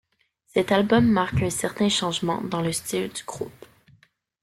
Cet album marque un certain changement dans le style du groupe.